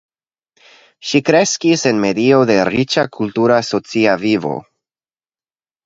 Ŝi kreskis en medio de riĉa kultura socia vivo.